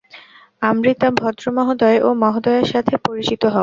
আমৃতা, ভদ্র মহোদয় ও মহোদয়ার সাথে পরিচিত হও।